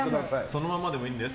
そのままでもいいんだよ